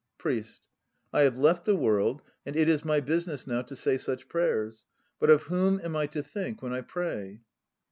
PRIEST. I have left the World, and it is my business now to say such prayers; but of whom am I to think when I pray?